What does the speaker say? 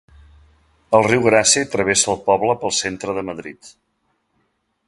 El riu Grasse travessa el poble pel centre de Madrid.